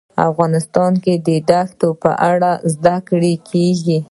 افغانستان کې د دښتې په اړه زده کړه کېږي.